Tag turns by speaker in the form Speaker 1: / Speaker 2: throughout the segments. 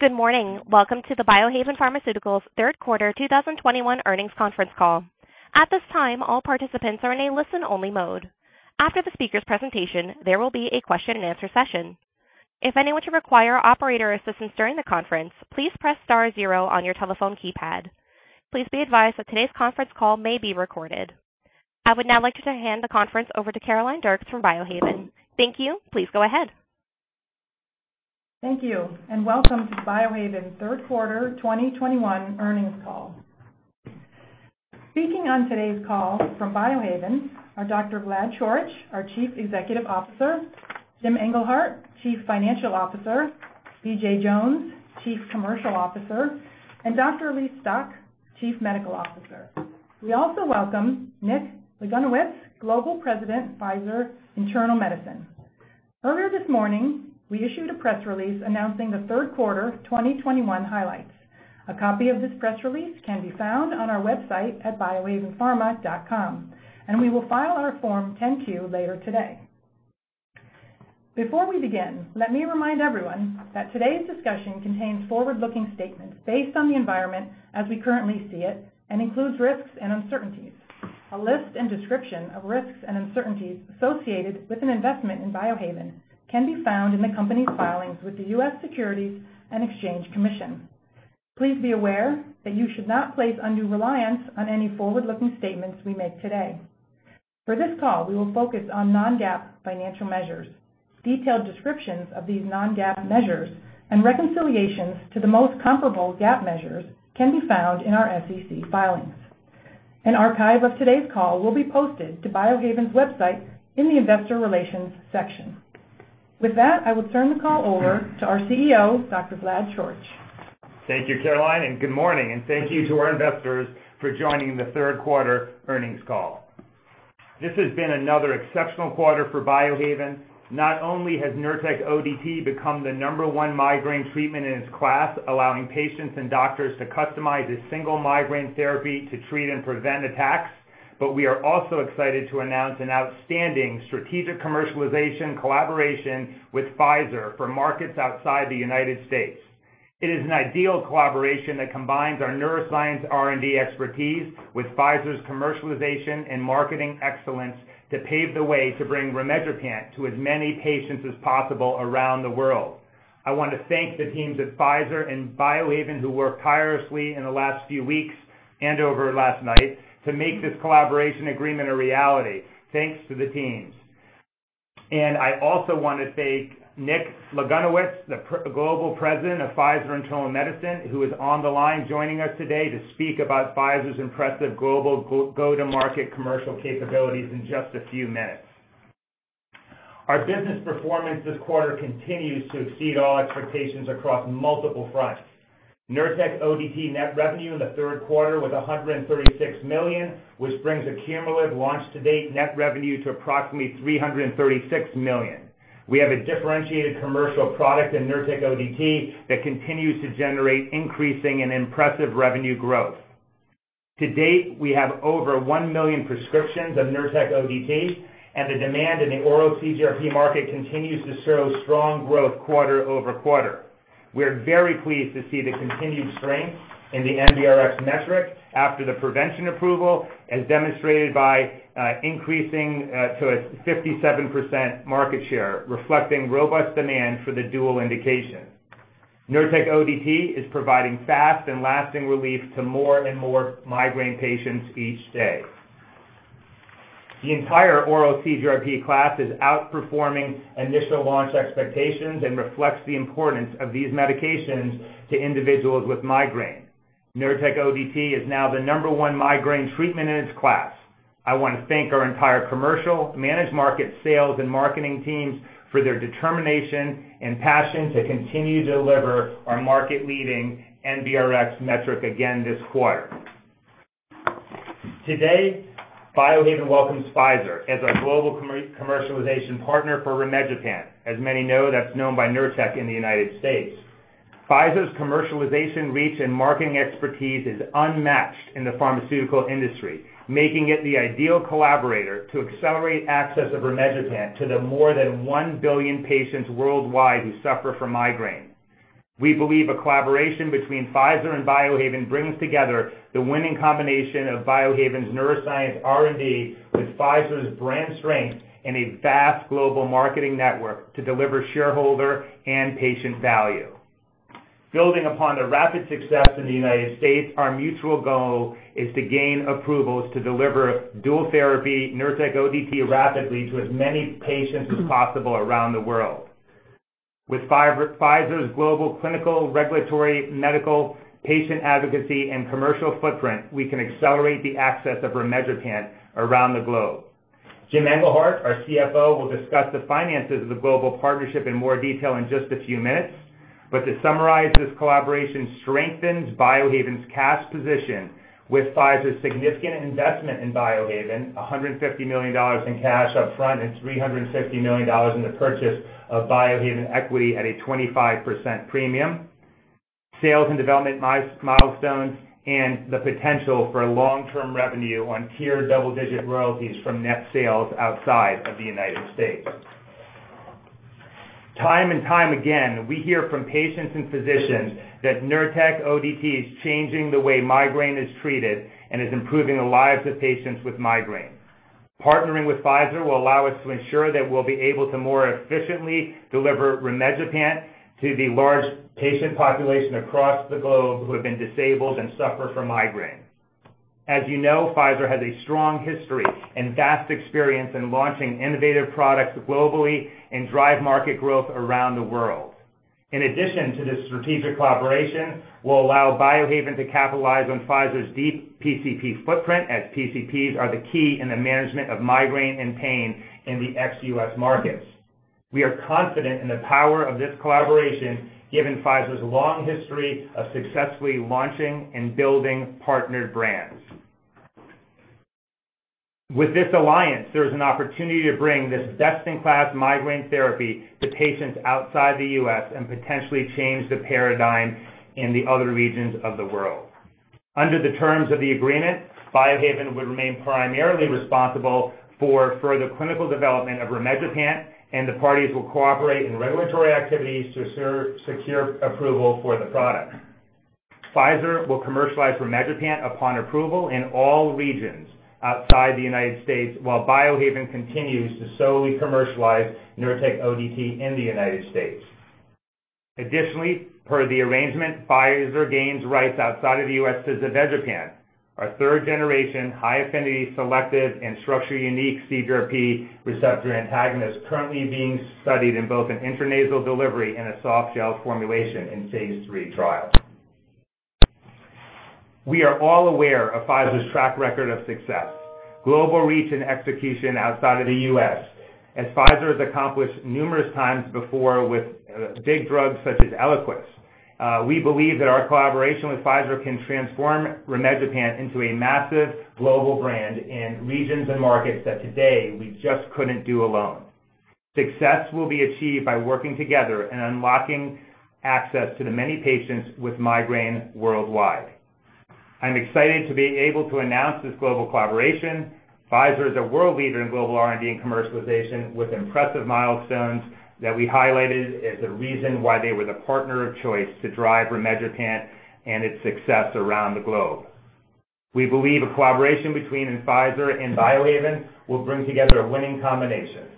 Speaker 1: Good morning. Welcome to the Biohaven Pharmaceuticals third quarter 2021 earnings conference call. At this time, all participants are in a listen-only mode. After the speakers' presentation, there will be a question-and-answer session. If anyone should require operator assistance during the conference, please press star zero on your telephone keypad. Please be advised that today's conference call may be recorded. I would now like to hand the conference over to Caroline Dircks from Biohaven. Thank you. Please go ahead.
Speaker 2: Thank you, and welcome to Biohaven third quarter 2021 earnings call. Speaking on today's call from Biohaven are Dr. Vlad Coric, our Chief Executive Officer, Jim Engelhart, Chief Financial Officer, BJ Jones, Chief Commercial Officer, and Dr. Elyse Stock, Chief Medical Officer. We also welcome Nick Lagunowich, Global President, Pfizer Internal Medicine. Earlier this morning, we issued a press release announcing the third quarter 2021 highlights. A copy of this press release can be found on our website at biohavenpharma.com, and we will file our Form 10-Q later today. Before we begin, let me remind everyone that today's discussion contains forward-looking statements based on the environment as we currently see it and includes risks and uncertainties. A list and description of risks and uncertainties associated with an investment in Biohaven can be found in the company's filings with the U.S. Securities and Exchange Commission. Please be aware that you should not place undue reliance on any forward-looking statements we make today. For this call, we will focus on non-GAAP financial measures. Detailed descriptions of these non-GAAP measures and reconciliations to the most comparable GAAP measures can be found in our SEC filings. An archive of today's call will be posted to Biohaven's website in the investor relations section. With that, I will turn the call over to our CEO, Dr. Vlad Coric.
Speaker 3: Thank you, Caroline, and good morning and thank you to our investors for joining the third quarter earnings call. This has been another exceptional quarter for Biohaven. Not only has NURTEC ODT become the number one migraine treatment in its class, allowing patients and doctors to customize a single migraine therapy to treat and prevent attacks. We are also excited to announce an outstanding strategic commercialization collaboration with Pfizer for markets outside the U.S. It is an ideal collaboration that combines our neuroscience R&D expertise with Pfizer's commercialization and marketing excellence to pave the way to bring rimegepant to as many patients as possible around the world. I want to thank the teams at Pfizer and Biohaven who worked tirelessly in the last few weeks and overnight to make this collaboration agreement a reality. Thanks to the teams. I also want to thank Nick Lagunowich, the Global President of Pfizer Internal Medicine, who is on the line joining us today to speak about Pfizer's impressive global go-to-market commercial capabilities in just a few minutes. Our business performance this quarter continues to exceed all expectations across multiple fronts. NURTEC ODT net revenue in the third quarter was $136 million, which brings the cumulative launch to date net revenue to approximately $336 million. We have a differentiated commercial product in NURTEC ODT that continues to generate increasing and impressive revenue growth. To date, we have over 1 million prescriptions of NURTEC ODT, and the demand in the oral CGRP market continues to show strong growth quarter-over-quarter. We are very pleased to see the continued strength in the NBRx metric after the prevention approval, as demonstrated by increasing to a 57% market share, reflecting robust demand for the dual indication. NURTEC ODT is providing fast and lasting relief to more and more migraine patients each day. The entire oral CGRP class is outperforming initial launch expectations and reflects the importance of these medications to individuals with migraine. NURTEC ODT is now the number one migraine treatment in its class. I want to thank our entire commercial, managed market sales, and marketing teams for their determination and passion to continue to deliver our market-leading NBRx metric again this quarter. Today, Biohaven welcomes Pfizer as our global commercialization partner for rimegepant. As many know, that's known by NURTEC in the U.S. Pfizer's commercialization reach and marketing expertise is unmatched in the pharmaceutical industry, making it the ideal collaborator to accelerate access of rimegepant to the more than 1 billion patients worldwide who suffer from migraine. We believe a collaboration between Pfizer and Biohaven brings together the winning combination of Biohaven's neuroscience R&D with Pfizer's brand strength and a vast global marketing network to deliver shareholder and patient value. Building upon the rapid success in the U.S., our mutual goal is to gain approvals to deliver dual therapy NURTEC ODT rapidly to as many patients as possible around the world. With Pfizer's global clinical regulatory medical patient advocacy and commercial footprint, we can accelerate the access of rimegepant around the globe. Jim Engelhart, our CFO, will discuss the finances of the global partnership in more detail in just a few minutes. To summarize, this collaboration strengthens Biohaven's cash position with Pfizer's significant investment in Biohaven, $150 million in cash upfront and $350 million in the purchase of Biohaven equity at a 25% premium. Sales and development milestones and the potential for long-term revenue on tiered double-digit royalties from net sales outside of the U.S. Time and time again, we hear from patients and physicians that NURTEC ODT is changing the way migraine is treated and is improving the lives of patients with migraine. Partnering with Pfizer will allow us to ensure that we'll be able to more efficiently deliver rimegepant to the large patient population across the globe who have been disabled and suffer from migraine. As you know, Pfizer has a strong history and vast experience in launching innovative products globally and drives market growth around the world. In addition to this strategic collaboration, we'll allow Biohaven to capitalize on Pfizer's deep PCP footprint, as PCPs are the key in the management of migraine and pain in the ex-U.S. markets. We are confident in the power of this collaboration, given Pfizer's long history of successfully launching and building partnered brands. With this alliance, there is an opportunity to bring this best-in-class migraine therapy to patients outside the U.S. and potentially change the paradigm in the other regions of the world. Under the terms of the agreement, Biohaven would remain primarily responsible for further clinical development of rimegepant, and the parties will cooperate in regulatory activities to secure approval for the product. Pfizer will commercialize rimegepant upon approval in all regions outside the U.S., while Biohaven continues to solely commercialize Nurtec ODT in the U.S. Additionally, per the arrangement, Pfizer gains rights outside of the U.S. to zavegepant, our third-generation high-affinity selective and structurally unique CGRP receptor antagonist currently being studied in both an intranasal delivery and a soft gel formulation in phase III trial. We are all aware of Pfizer's track record of success, global reach and execution outside of the U.S., as Pfizer has accomplished numerous times before with big drugs such as ELIQUIS. We believe that our collaboration with Pfizer can transform rimegepant into a massive global brand in regions and markets that today we just couldn't do alone. Success will be achieved by working together and unlocking access to the many patients with migraine worldwide. I'm excited to be able to announce this global collaboration. Pfizer is a world leader in global R&D and commercialization with impressive milestones that we highlighted as the reason why they were the partner of choice to drive rimegepant and its success around the globe. We believe a collaboration between Pfizer and Biohaven will bring together a winning combination.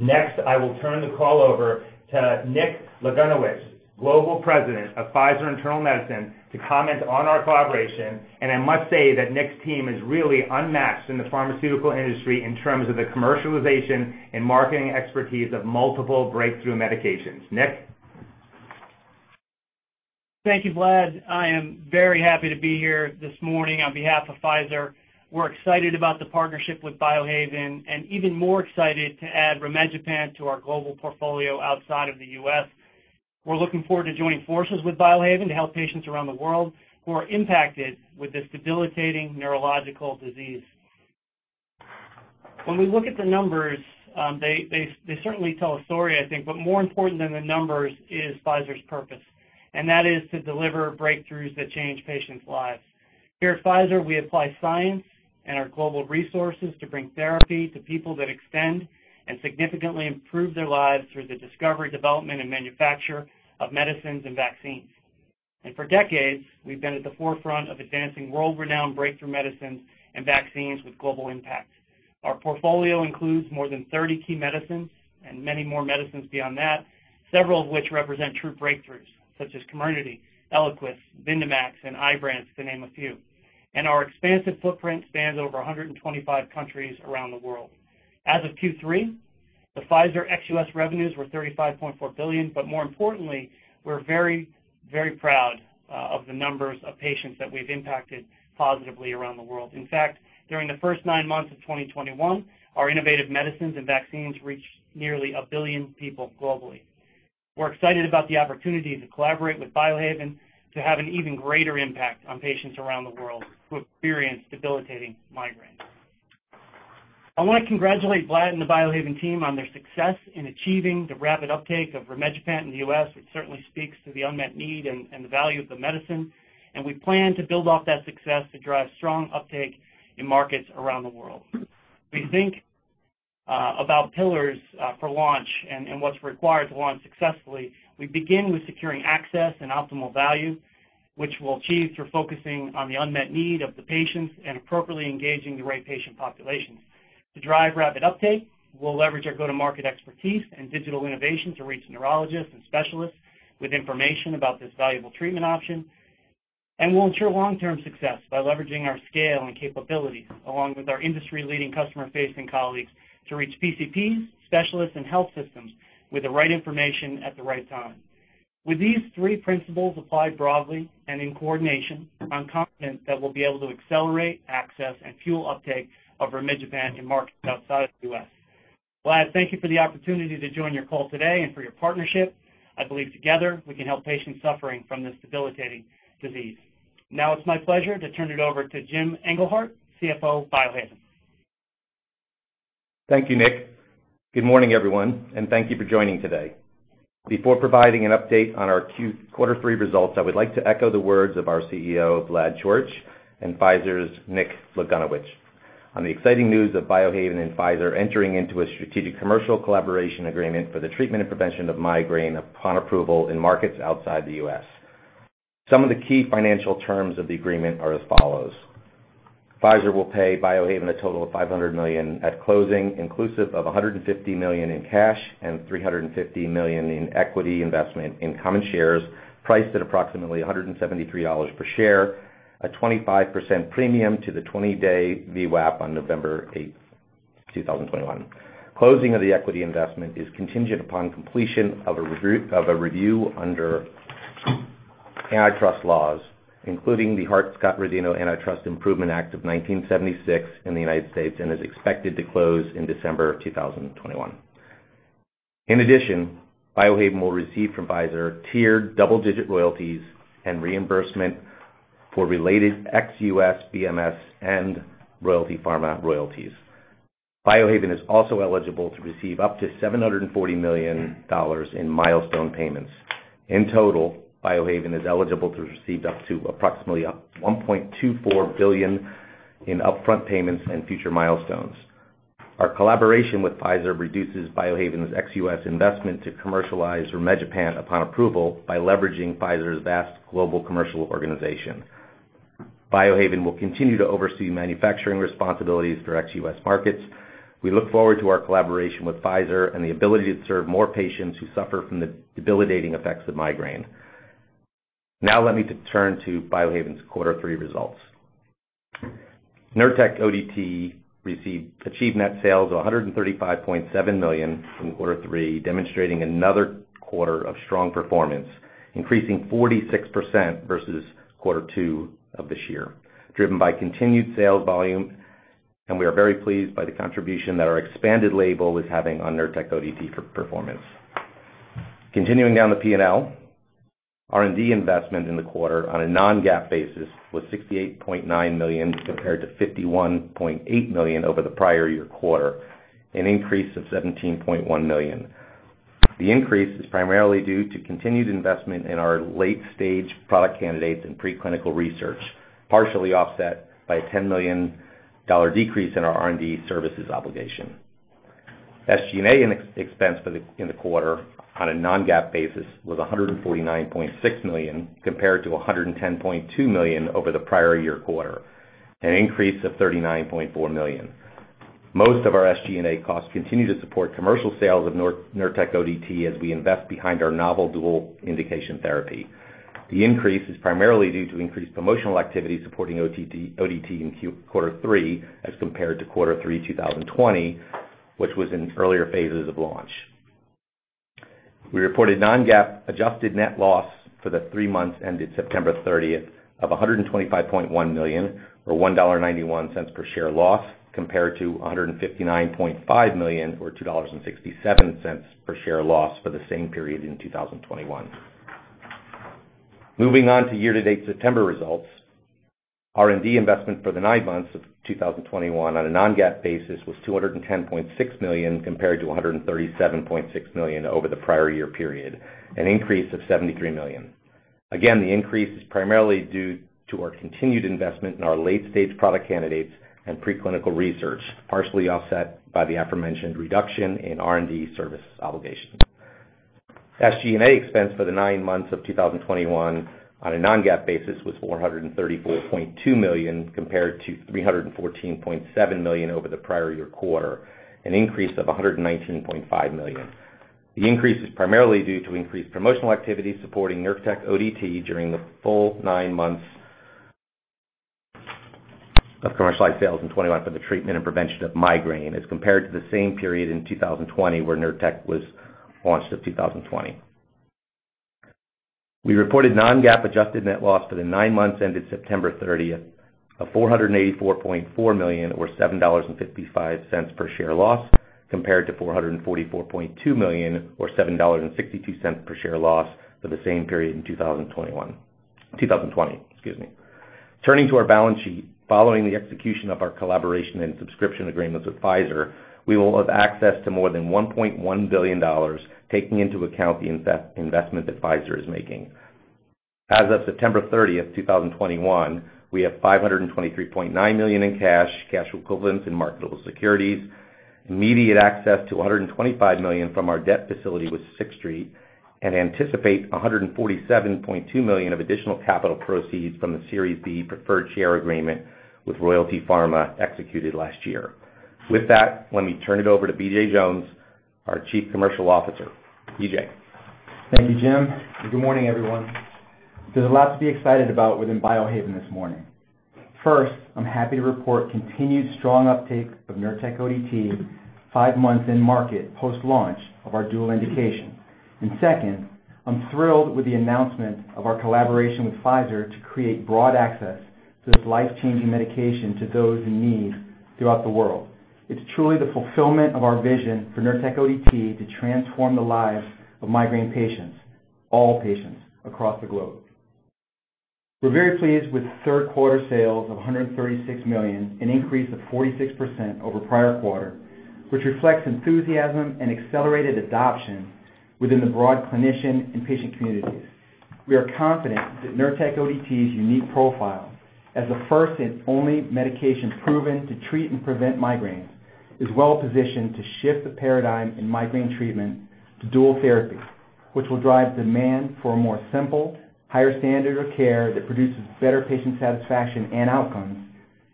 Speaker 3: Next, I will turn the call over to Nick Lagunowich, Global President of Pfizer Internal Medicine, to comment on our collaboration. I must say that Nick's team is really unmatched in the pharmaceutical industry in terms of the commercialization and marketing expertise of multiple breakthrough medications. Nick?
Speaker 4: Thank you, Vlad. I am very happy to be here this morning on behalf of Pfizer. We're excited about the partnership with Biohaven and even more excited to add rimegepant to our global portfolio outside of the U.S. We're looking forward to joining forces with Biohaven to help patients around the world who are impacted with this debilitating neurological disease. When we look at the numbers, they certainly tell a story, I think, but more important than the numbers is Pfizer's purpose, and that is to deliver breakthroughs that change patients' lives. Here at Pfizer, we apply science and our global resources to bring therapy to people that extend and significantly improve their lives through the discovery, development, and manufacture of medicines and vaccines. For decades, we've been at the forefront of advancing world-renowned breakthrough medicines and vaccines with global impact. Our portfolio includes more than 30 key medicines and many more medicines beyond that, several of which represent true breakthroughs such as COMIRNATY, ELIQUIS, VYNDAMAX, and IBRANCE, to name a few. Our expansive footprint spans over 125 countries around the world. As of Q3, the Pfizer ex-US revenues were $35.4 billion. More importantly, we're very, very proud of the numbers of patients that we've impacted positively around the world. In fact, during the first nine months of 2021, our innovative medicines and vaccines reached nearly 1 billion people globally. We're excited about the opportunity to collaborate with Biohaven to have an even greater impact on patients around the world who experience debilitating migraine. I wanna congratulate Vlad and the Biohaven team on their success in achieving the rapid uptake of rimegepant in the U.S., which certainly speaks to the unmet need and the value of the medicine. We plan to build off that success to drive strong uptake in markets around the world. We think about pillars for launch and what's required to launch successfully. We begin with securing access and optimal value, which we'll achieve through focusing on the unmet need of the patients and appropriately engaging the right patient populations. To drive rapid uptake, we'll leverage our go-to-market expertise and digital innovation to reach neurologists and specialists with information about this valuable treatment option. We'll ensure long-term success by leveraging our scale and capabilities along with our industry-leading customer-facing colleagues to reach PCPs, specialists, and health systems with the right information at the right time. With these three principles applied broadly and in coordination, I'm confident that we'll be able to accelerate access and fuel uptake of rimegepant in markets outside of the U.S. Vlad, thank you for the opportunity to join your call today and for your partnership. I believe together we can help patients suffering from this debilitating disease. Now it's my pleasure to turn it over to Jim Engelhart, CFO of Biohaven.
Speaker 5: Thank you, Nick. Good morning, everyone, and thank you for joining today. Before providing an update on our quarter three results, I would like to echo the words of our CEO, Vlad Coric, and Pfizer's Nick Lagunowich on the exciting news of Biohaven and Pfizer entering into a strategic commercial collaboration agreement for the treatment and prevention of migraine upon approval in markets outside the U.S. Some of the key financial terms of the agreement are as follows. Pfizer will pay Biohaven a total of $500 million at closing, inclusive of $150 million in cash and $350 million in equity investment in common shares, priced at approximately $173 per share, a 25% premium to the 20-day VWAP on November 8, 2021. Closing of the equity investment is contingent upon completion of a review under antitrust laws, including the Hart-Scott-Rodino Antitrust Improvements Act of 1976 in the U.S., and is expected to close in December 2021. In addition, Biohaven will receive from Pfizer tiered double-digit royalties and reimbursement for related ex-US BMS and Royalty Pharma royalties. Biohaven is also eligible to receive up to $740 million in milestone payments. In total, Biohaven is eligible to receive up to approximately $1.24 billion in upfront payments and future milestones. Our collaboration with Pfizer reduces Biohaven's ex-US investment to commercialize rimegepant upon approval by leveraging Pfizer's vast global commercial organization. Biohaven will continue to oversee manufacturing responsibilities for ex-US markets. We look forward to our collaboration with Pfizer and the ability to serve more patients who suffer from the debilitating effects of migraine. Now let me turn to Biohaven's quarter three results. NURTEC ODT achieved net sales of $135.7 million from quarter three, demonstrating another quarter of strong performance, increasing 46% versus quarter two of this year, driven by continued sales volume. We are very pleased by the contribution that our expanded label is having on NURTEC ODT performance. Continuing down the P&L, R&D investment in the quarter on a non-GAAP basis was $68.9 million compared to $51.8 million over the prior year quarter, an increase of $17.1 million. The increase is primarily due to continued investment in our late-stage product candidates in preclinical research, partially offset by a $10 million decrease in our R&D services obligation. SG&A expense in the quarter on a non-GAAP basis was $149.6 million compared to $110.2 million over the prior year quarter, an increase of $39.4 million. Most of our SG&A costs continue to support commercial sales of NURTEC ODT as we invest behind our novel dual indication therapy. The increase is primarily due to increased promotional activity supporting ODT in quarter three as compared to quarter three 2020, which was in earlier phases of launch. We reported non-GAAP adjusted net loss for the three months ended September 30th of $125.1 million or $1.91 per share loss compared to $159.5 million or $2.67 per share loss for the same period in 2021. Moving on to year-to-date September results. R&D investment for the nine months of 2022 on a non-GAAP basis was $210.6 million compared to $137.6 million over the prior year period, an increase of $73 million. Again, the increase is primarily due to our continued investment in our late-stage product candidates and preclinical research, partially offset by the aforementioned reduction in R&D service obligations. SG&A expense for the nine months of 2021 on a non-GAAP basis was $434.2 million compared to $314.7 million over the prior year quarter, an increase of $119.5 million. The increase is primarily due to increased promotional activity supporting NURTEC ODT during the full nine months of commercialized sales in 2021 for the treatment and prevention of migraine as compared to the same period in 2020 where NURTEC was launched in 2020. We reported non-GAAP adjusted net loss for the nine months ended September 30th of $484.4 million or $7.55 per share loss compared to $444.2 million or $7.62 per share loss for the same period in 2020. Excuse me. Turning to our balance sheet. Following the execution of our collaboration and subscription agreements with Pfizer, we will have access to more than $1.1 billion, taking into account the investment that Pfizer is making. As of September 30th, 2021, we have $523.9 million in cash equivalents, and marketable securities, immediate access to $125 million from our debt facility with Sixth Street, and anticipate $147.2 million of additional capital proceeds from the Series B Preferred Share Agreement with Royalty Pharma executed last year. With that, let me turn it over to BJ Jones, our Chief Commercial Officer. BJ.
Speaker 6: Thank you, Jim, and good morning, everyone. There's a lot to be excited about within Biohaven this morning. First, I'm happy to report continued strong uptake of NURTEC ODT five months in market post-launch of our dual indication. Second, I'm thrilled with the announcement of our collaboration with Pfizer to create broad access to this life-changing medication to those in need throughout the world. It's truly the fulfillment of our vision for NURTEC ODT to transform the lives of migraine patients, all patients across the globe. We're very pleased with third quarter sales of $136 million, an increase of 46% over prior quarter, which reflects enthusiasm and accelerated adoption within the broad clinician and patient communities. We are confident that NURTEC ODT's unique profile as the first and only medication proven to treat and prevent migraines is well-positioned to shift the paradigm in migraine treatment to dual therapy, which will drive demand for a more simple, higher standard of care that produces better patient satisfaction and outcomes,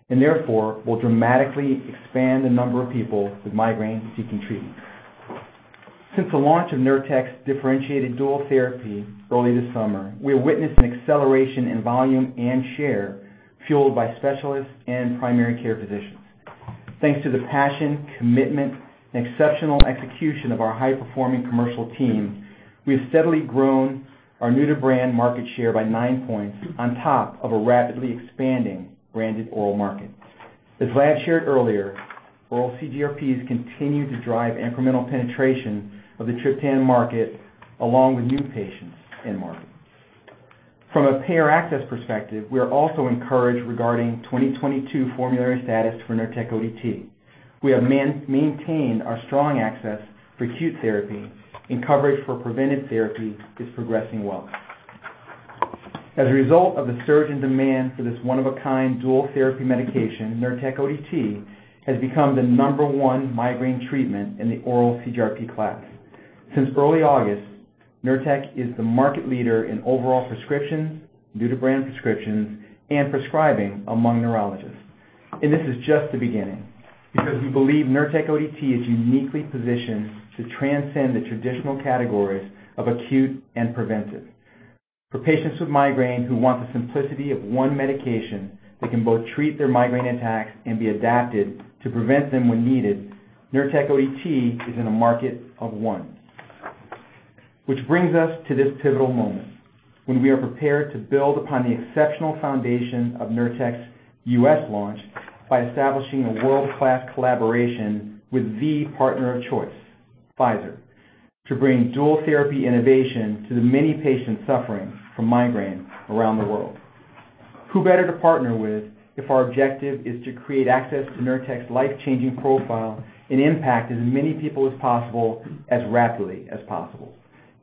Speaker 6: and therefore will dramatically expand the number of people with migraines seeking treatment. Since the launch of NURTEC's differentiated dual therapy early this summer, we have witnessed an acceleration in volume and share, fueled by specialists and primary care physicians. Thanks to the passion, commitment, and exceptional execution of our high-performing commercial team, we have steadily grown our new-to-brand market share by 9 points on top of a rapidly expanding branded oral market. As Vlad shared earlier, oral CGRPs continue to drive incremental penetration of the triptan market along with new patients in-market. From a payer access perspective, we are also encouraged regarding 2022 formulary status for NURTEC ODT. We have maintained our strong access for acute therapy, and coverage for preventive therapy is progressing well. As a result of the surge in demand for this one-of-a-kind dual therapy medication, NURTEC ODT has become the number one migraine treatment in the oral CGRP class. Since early August, NURTEC is the market leader in overall prescriptions, new-to-brand prescriptions, and prescribing among neurologists. This is just the beginning, because we believe NURTEC ODT is uniquely positioned to transcend the traditional categories of acute and preventive. For patients with migraine who want the simplicity of one medication that can both treat their migraine attacks and be adapted to prevent them when needed, NURTEC ODT is in a market of one. Which brings us to this pivotal moment when we are prepared to build upon the exceptional foundation of NURTEC's U.S. launch by establishing a world-class collaboration with the partner of choice, Pfizer, to bring dual therapy innovation to the many patients suffering from migraines around the world. Who better to partner with if our objective is to create access to NURTEC's life-changing profile and impact as many people as possible as rapidly as possible?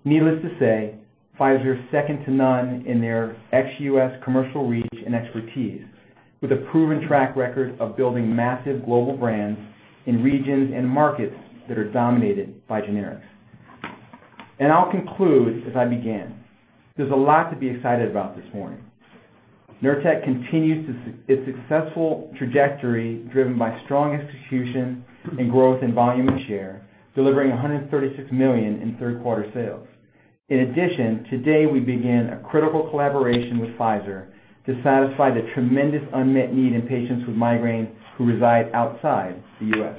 Speaker 6: Needless to say, Pfizer is second to none in their ex-U.S. commercial reach and expertise, with a proven track record of building massive global brands in regions and markets that are dominated by generics. I'll conclude as I began. There's a lot to be excited about this morning. NURTEC continues its successful trajectory, driven by strong execution and growth in volume and share, delivering $136 million in third quarter sales. In addition, today we begin a critical collaboration with Pfizer to satisfy the tremendous unmet need in patients with migraine who reside outside the U.S.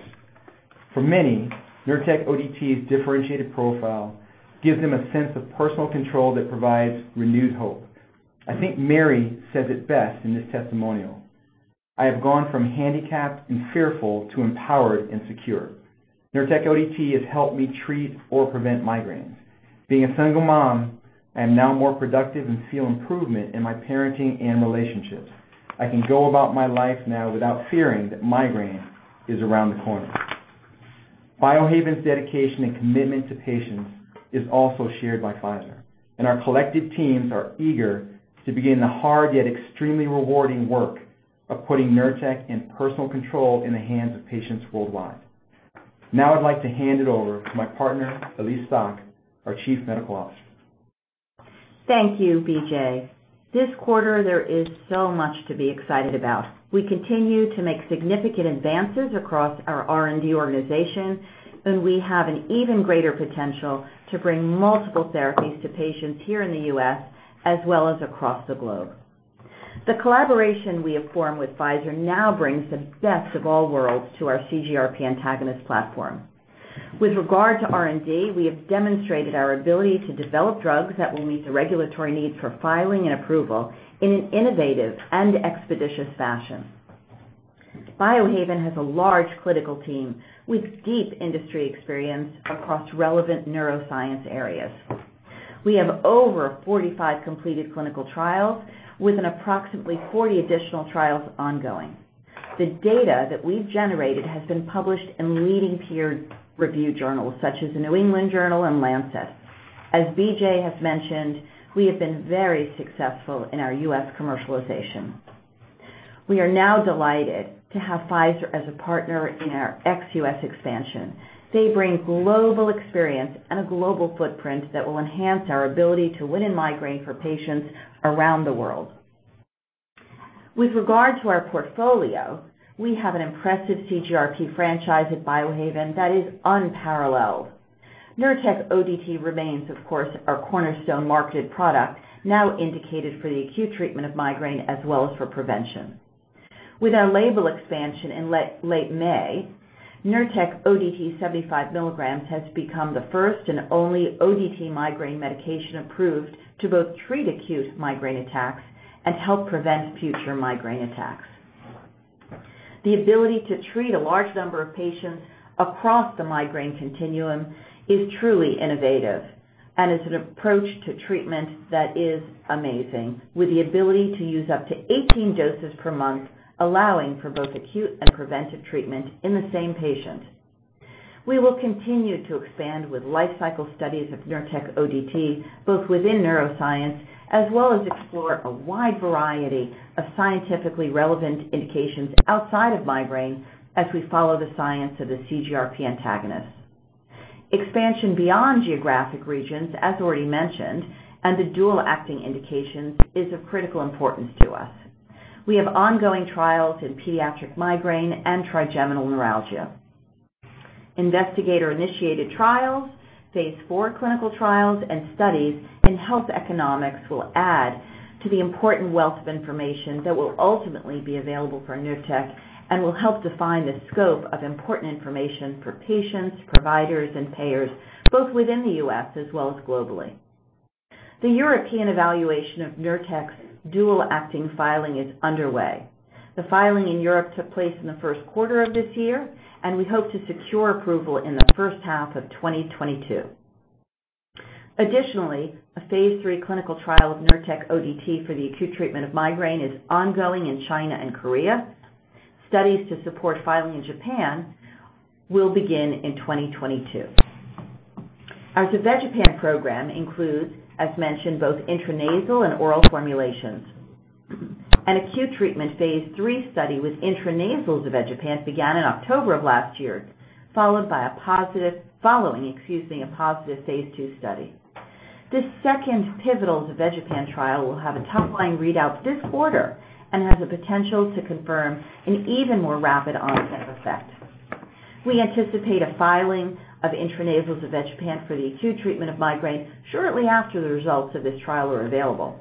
Speaker 6: For many, NURTEC ODT's differentiated profile gives them a sense of personal control that provides renewed hope. I think Mary says it best in this testimonial. "I have gone from handicapped and fearful to empowered and secure. NURTEC ODT has helped me treat or prevent migraines. Being a single mom, I am now more productive and feel improvement in my parenting and relationships. I can go about my life now without fearing that migraine is around the corner." Biohaven's dedication and commitment to patients is also shared by Pfizer, and our collective teams are eager to begin the hard yet extremely rewarding work of putting NURTEC in personal control in the hands of patients worldwide. Now I'd like to hand it over to my partner, Elyse Stock, our Chief Medical Officer.
Speaker 7: Thank you, BJ. This quarter, there is so much to be excited about. We continue to make significant advances across our R&D organization, and we have an even greater potential to bring multiple therapies to patients here in the U.S. as well as across the globe. The collaboration we have formed with Pfizer now brings the best of all worlds to our CGRP antagonist platform. With regard to R&D, we have demonstrated our ability to develop drugs that will meet the regulatory need for filing and approval in an innovative and expeditious fashion. Biohaven has a large clinical team with deep industry experience across relevant neuroscience areas. We have over 45 completed clinical trials with an approximately 40 additional trials ongoing. The data that we've generated has been published in leading peer-reviewed journals such as the New England Journal and Lancet. As BJ has mentioned, we have been very successful in our U.S. commercialization. We are now delighted to have Pfizer as a partner in our ex-U.S. expansion. They bring global experience and a global footprint that will enhance our ability to win in migraine for patients around the world. With regard to our portfolio, we have an impressive CGRP franchise at Biohaven that is unparalleled. NURTEC ODT remains, of course, our cornerstone marketed product, now indicated for the acute treatment of migraine as well as for prevention. With our label expansion in late May, NURTEC ODT 75 mg has become the first and only ODT migraine medication approved to both treat acute migraine attacks and help prevent future migraine attacks. The ability to treat a large number of patients across the migraine continuum is truly innovative and is an approach to treatment that is amazing. With the ability to use up to 18 doses per month, allowing for both acute and preventive treatment in the same patient. We will continue to expand with life cycle studies of NURTEC ODT, both within neuroscience as well as explore a wide variety of scientifically relevant indications outside of migraine as we follow the science of the CGRP antagonist. Expansion beyond geographic regions, as already mentioned, and the dual acting indications is of critical importance to us. We have ongoing trials in pediatric migraine and trigeminal neuralgia. Investigator-initiated trials, phase IV clinical trials, and studies in health economics will add to the important wealth of information that will ultimately be available for NURTEC and will help define the scope of important information for patients, providers, and payers, both within the U.S. as well as globally. The European evaluation of NURTEC's dual acting filing is underway. The filing in Europe took place in the first quarter of this year, and we hope to secure approval in the first half of 2022. Additionally, a phase III clinical trial of NURTEC ODT for the acute treatment of migraine is ongoing in China and Korea. Studies to support filing in Japan will begin in 2022. Our zavegepant program includes, as mentioned, both intranasal and oral formulations. An acute treatment phase III study with intranasal zavegepant began in October of last year, followed by a positive phase II study. This second pivotal zavegepant trial will have a top-line readout this quarter and has the potential to confirm an even more rapid onset effect. We anticipate a filing of intranasal zavegepant for the acute treatment of migraine shortly after the results of this trial are available.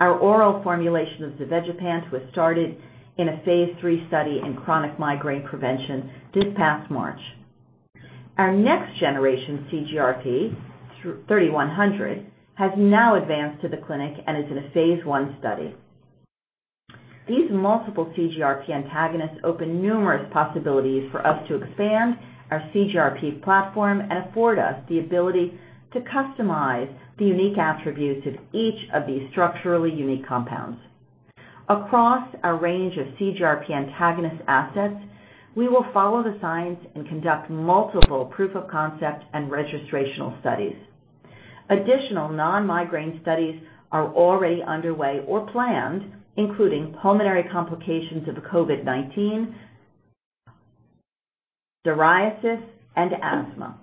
Speaker 7: Our oral formulation of zavegepant was started in a phase III study in chronic migraine prevention this past March. Our next generation CGRP, 3100, has now advanced to the clinic and is in a phase I study. These multiple CGRP antagonists open numerous possibilities for us to expand our CGRP platform and afford us the ability to customize the unique attributes of each of these structurally unique compounds. Across a range of CGRP antagonist assets, we will follow the science and conduct multiple proof of concept and registrational studies. Additional non-migraine studies are already underway or planned, including pulmonary complications of COVID-19, psoriasis, and asthma.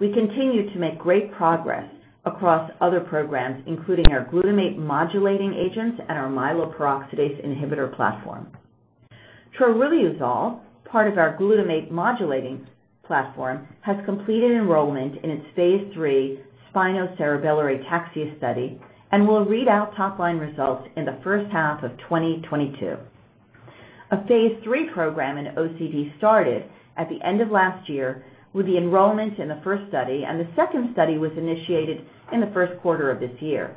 Speaker 7: We continue to make great progress across other programs, including our glutamate modulating agents and our myeloperoxidase inhibitor platform. Troriluzole, part of our glutamate modulating platform, has completed enrollment in its phase III spinocerebellar ataxia study and will read out top-line results in the first half of 2022. A phase III program in OCD started at the end of last year with the enrollment in the first study, and the second study was initiated in the first quarter of this year.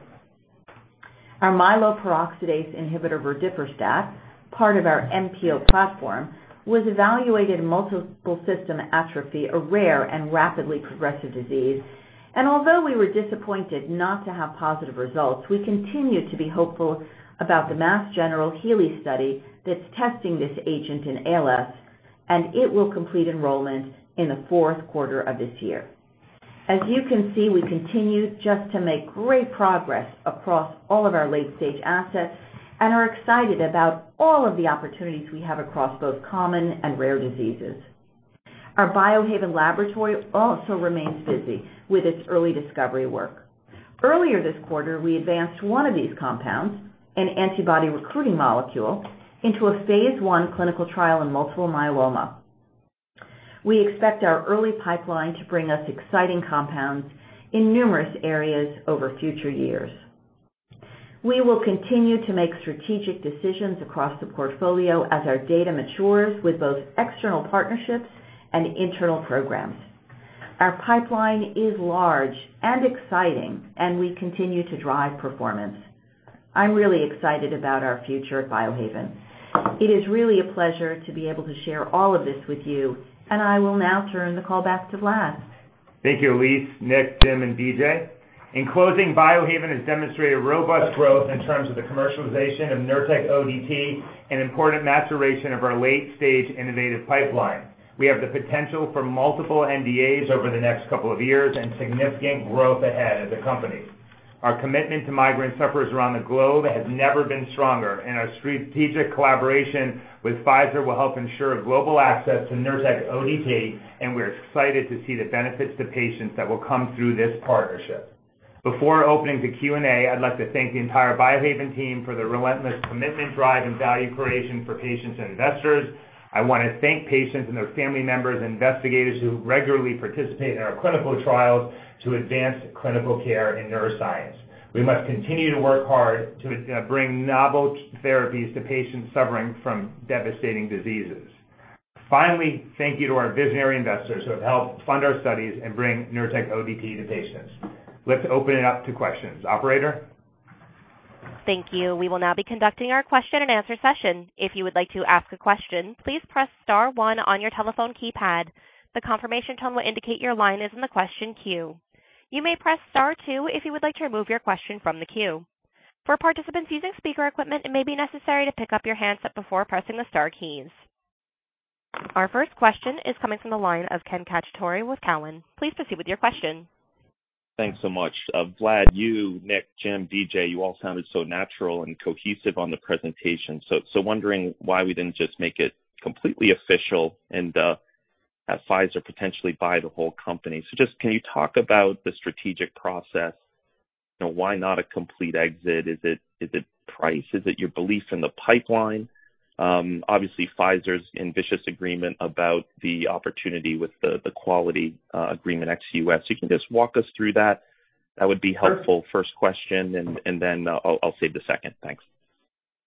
Speaker 7: Our myeloperoxidase inhibitor, verdiperstat, part of our MPO platform, was evaluated in multiple system atrophy, a rare and rapidly progressive disease. Although we were disappointed not to have positive results, we continue to be hopeful about the Mass General Healey study that's testing this agent in ALS, and it will complete enrollment in the fourth quarter of this year. As you can see, we continue just to make great progress across all of our late-stage assets and are excited about all of the opportunities we have across both common and rare diseases. Our Biohaven laboratory also remains busy with its early discovery work. Earlier this quarter, we advanced one of these compounds, an antibody recruiting molecule, into a phase I clinical trial in multiple myeloma. We expect our early pipeline to bring us exciting compounds in numerous areas over future years. We will continue to make strategic decisions across the portfolio as our data matures with both external partnerships and internal programs. Our pipeline is large and exciting, and we continue to drive performance. I'm really excited about our future at Biohaven. It is really a pleasure to be able to share all of this with you, and I will now turn the call back to Vlad.
Speaker 3: Thank you, Elyse, Nick, Jim, and BJ. In closing, Biohaven has demonstrated robust growth in terms of the commercialization of NURTEC ODT and important maturation of our late-stage innovative pipeline. We have the potential for multiple NDAs over the next couple of years and significant growth ahead as a company. Our commitment to migraine sufferers around the globe has never been stronger, and our strategic collaboration with Pfizer will help ensure global access to NURTEC ODT, and we're excited to see the benefits to patients that will come through this partnership. Before opening to Q&A, I'd like to thank the entire Biohaven team for their relentless commitment, drive, and value creation for patients and investors. I wanna thank patients and their family members and investigators who regularly participate in our clinical trials to advance clinical care in neuroscience. We must continue to work hard to bring novel therapies to patients suffering from devastating diseases. Finally, thank you to our visionary investors who have helped fund our studies and bring NURTEC ODT to patients. Let's open it up to questions. Operator?
Speaker 1: Thank you. We will now be conducting our question-and-answer session. If you would like to ask a question, please press star one on your telephone keypad. The confirmation tone will indicate your line is in the question queue. You may press star two if you would like to remove your question from the queue. For participants using speaker equipment, it may be necessary to pick up your handset before pressing the star keys. Our first question is coming from the line of Ken Cacciatore with Cowen. Please proceed with your question.
Speaker 8: Thanks so much. Vlad, you, Nick, Jim, BJ, you all sounded so natural and cohesive on the presentation. Wondering why we didn't just make it completely official and have Pfizer potentially buy the whole company. Just, can you talk about the strategic process? You know, why not a complete exit? Is it price? Is it your belief in the pipeline? Obviously, Pfizer's ambitious agreement about the opportunity with the global agreement ex-US. You can just walk us through that. That would be helpful. First question, and then I'll save the second. Thanks.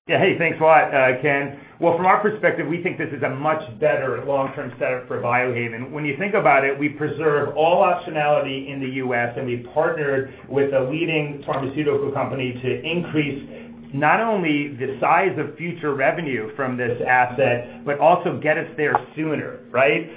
Speaker 3: Yeah. Hey, thanks a lot, Ken. Well, from our perspective, we think this is a much better long-term setup for Biohaven. When you think about it, we preserve all optionality in the U.S., and we partnered with a leading pharmaceutical company to increase not only the size of future revenue from this asset, but also get us there sooner, right?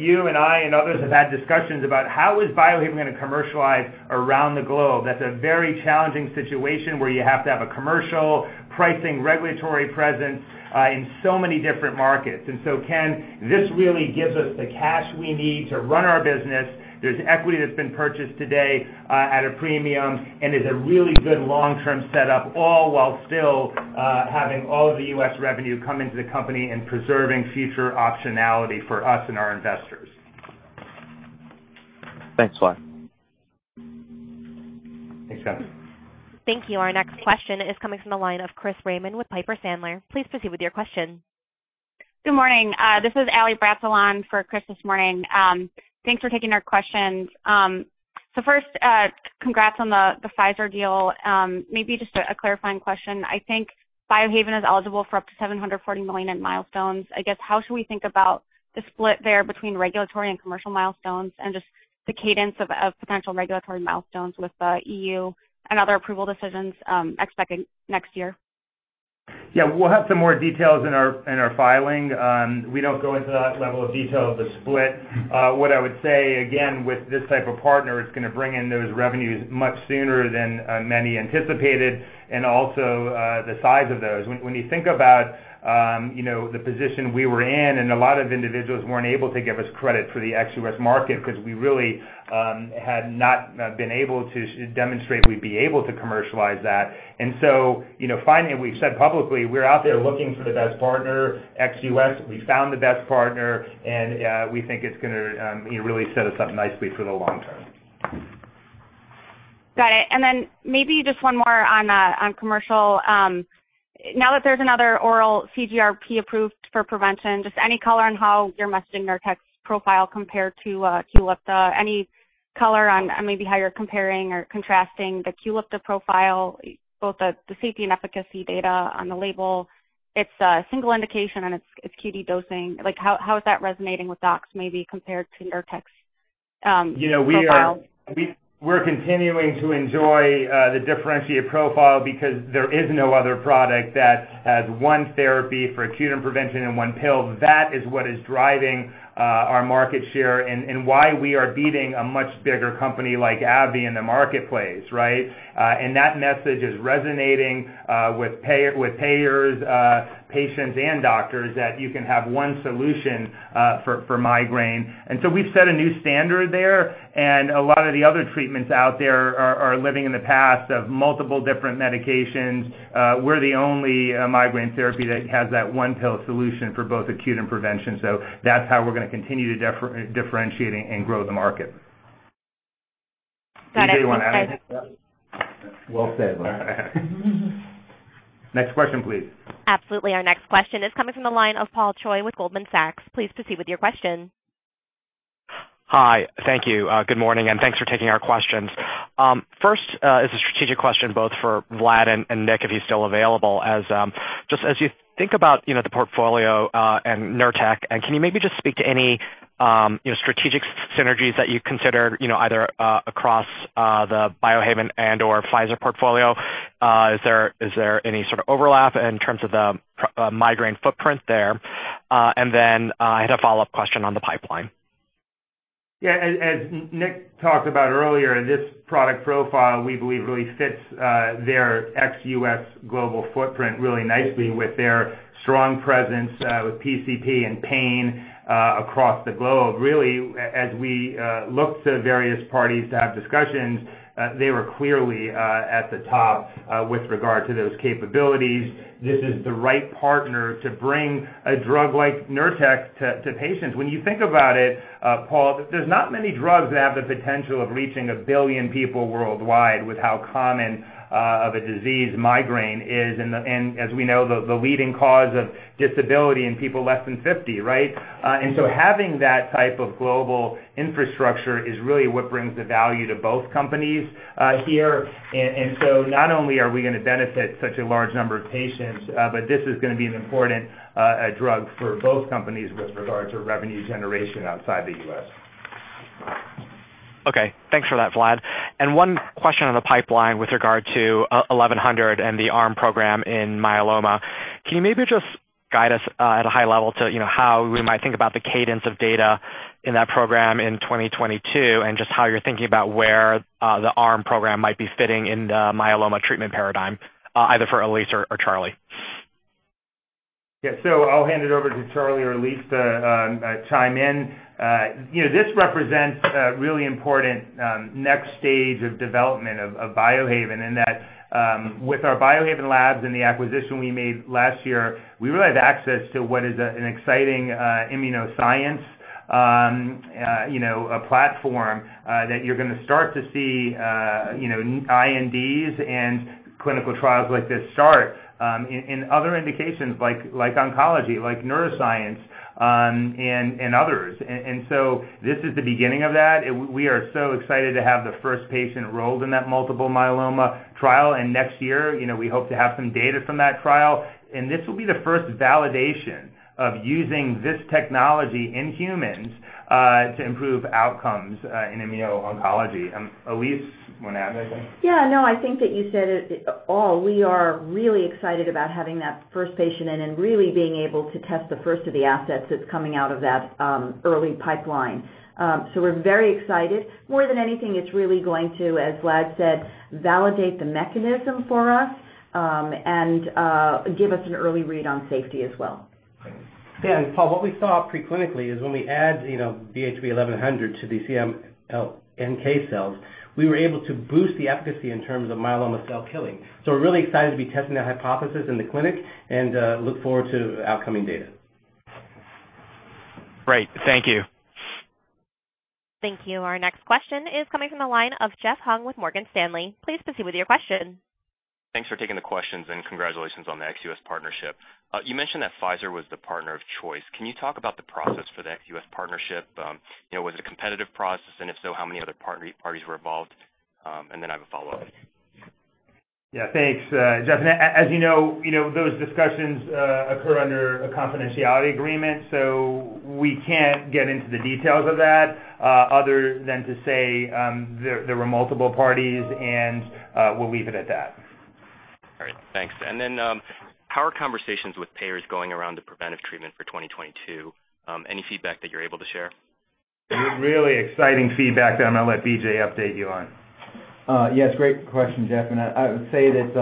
Speaker 3: You and I and others have had discussions about how is Biohaven gonna commercialize around the globe. That's a very challenging situation where you have to have a commercial pricing regulatory presence in so many different markets. Ken, this really gives us the cash we need to run our business. There's equity that's been purchased today, at a premium and is a really good long-term setup, all while still having all of the U.S. revenue come into the company and preserving future optionality for us and our investors.
Speaker 8: Thanks a lot.
Speaker 3: Thanks, Ken.
Speaker 1: Thank you. Our next question is coming from the line of Chris Raymond with Piper Sandler. Please proceed with your question.
Speaker 9: Good morning. This is Allie Bratzel for Chris this morning. Thanks for taking our questions. First, congrats on the Pfizer deal. Maybe just a clarifying question. I think Biohaven is eligible for up to $740 million in milestones. I guess, how should we think about the split there between regulatory and commercial milestones and just the cadence of potential regulatory milestones with the EU and other approval decisions expected next year?
Speaker 3: Yeah. We'll have some more details in our filing. We don't go into that level of detail of the split. What I would say again, with this type of partner is gonna bring in those revenues much sooner than many anticipated and also the size of those. When you think about, you know, the position we were in and a lot of individuals weren't able to give us credit for the ex-US market 'cause we really had not been able to demonstrate we'd be able to commercialize that. You know, finally, we've said publicly we're out there looking for the best partner ex-US. We found the best partner and we think it's gonna really set us up nicely for the long term.
Speaker 9: Got it. Then maybe just one more on commercial. Now that there's another oral CGRP approved for prevention, just any color on how you're messaging your NURTEC's profile compared to QULIPTA. Any color on maybe how you're comparing or contrasting the QULIPTA profile, both the safety and efficacy data on the label. It's a single indication and it's QD dosing. Like, how is that resonating with docs maybe compared to NURTEC's profile?
Speaker 3: You know, we're continuing to enjoy the differentiated profile because there is no other product that has one therapy for acute and prevention in one pill. That is what is driving our market share and why we are beating a much bigger company like AbbVie in the marketplace, right? That message is resonating with payers, patients and doctors that you can have one solution for migraine. We've set a new standard there, and a lot of the other treatments out there are living in the past of multiple different medications. We're the only migraine therapy that has that one pill solution for both acute and prevention. That's how we're gonna continue to differentiate and grow the market.
Speaker 9: Got it.
Speaker 3: BJ, you wanna add anything to that?
Speaker 6: Well said, Vlad.
Speaker 3: Next question, please.
Speaker 1: Absolutely. Our next question is coming from the line of Paul Choi with Goldman Sachs. Please proceed with your question.
Speaker 10: Hi. Thank you. Good morning, and thanks for taking our questions. First, it's a strategic question both for Vlad and Nick, if he's still available. As you think about, you know, the portfolio and NURTEC, can you maybe just speak to any, you know, strategic synergies that you considered, you know, either across the Biohaven and/or Pfizer portfolio? Is there any sort of overlap in terms of the migraine footprint there? And then, I had a follow-up question on the pipeline.
Speaker 3: Yeah. As Nick talked about earlier, this product profile, we believe really fits their ex-US global footprint really nicely with their strong presence with PCP and pain across the globe. Really, as we look to various parties to have discussions, they were clearly at the top with regard to those capabilities. This is the right partner to bring a drug like Nurtec to patients. When you think about it, Paul, there's not many drugs that have the potential of reaching 1 billion people worldwide with how common of a disease migraine is. As we know, the leading cause of disability in people less than 50, right? Having that type of global infrastructure is really what brings the value to both companies here. not only are we gonna benefit such a large number of patients, but this is gonna be an important drug for both companies with regard to revenue generation outside the U.S.
Speaker 10: Okay. Thanks for that, Vlad. One question on the pipeline with regard to BHV-1100 and the ARM program in myeloma. Can you maybe just guide us at a high level to how we might think about the cadence of data in that program in 2022 and just how you're thinking about where the ARM program might be fitting in the myeloma treatment paradigm, either for Elyse or Charles?
Speaker 3: Yeah. I'll hand it over to Charles or Elyse to chime in. You know, this represents a really important next stage of development of Biohaven in that with our Biohaven labs and the acquisition we made last year, we really have access to what is an exciting immunoscience you know a platform that you're gonna start to see you know INDs and clinical trials like this start in other indications like oncology like neuroscience and others. This is the beginning of that. We are so excited to have the first patient enrolled in that multiple myeloma trial. Next year, you know, we hope to have some data from that trial. This will be the first validation of using this technology in humans to improve outcomes in immuno-oncology. Elyse, you wanna add anything?
Speaker 7: Yeah. No, I think that you said it all. We are really excited about having that first patient in and really being able to test the first of the assets that's coming out of that early pipeline. We're very excited. More than anything, it's really going to, as Vlad said, validate the mechanism for us, and give us an early read on safety as well.
Speaker 3: Thanks.
Speaker 6: Yeah. Paul, what we saw preclinically is when we add, you know, BHV-1100 to the CIML NK cells, we were able to boost the efficacy in terms of myeloma cell killing. We're really excited to be testing that hypothesis in the clinic and look forward to upcoming data.
Speaker 10: Great. Thank you.
Speaker 1: Thank you. Our next question is coming from the line of Jeff Hung with Morgan Stanley. Please proceed with your question.
Speaker 11: Thanks for taking the questions and congratulations on the ex-US partnership. You mentioned that Pfizer was the partner of choice. Can you talk about the process for the ex-US partnership? You know, was it a competitive process, and if so, how many other partner parties were involved? And then I have a follow-up.
Speaker 3: Yeah. Thanks, Jeff. As you know, you know, those discussions occur under a confidentiality agreement, so we can't get into the details of that, other than to say, there were multiple parties, and we'll leave it at that.
Speaker 11: All right. Thanks. How are conversations with payers going around the preventive treatment for 2022? Any feedback that you're able to share?
Speaker 3: There is really exciting feedback that I'm gonna let BJ update you on.
Speaker 6: Yes, great question, Jeff. I would say that,